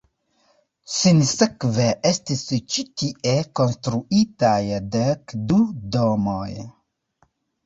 Sinsekve estis ĉi tie konstruitaj dek du domoj.